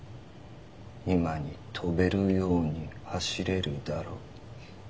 今に飛べるように走れるだろう。